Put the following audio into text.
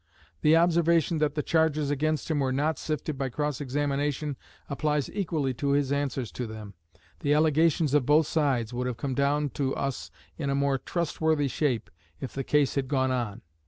The observation that the charges against him were not sifted by cross examination applies equally to his answers to them. The allegations of both sides would have come down to us in a more trustworthy shape if the case had gone on.